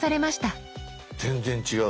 全然違う！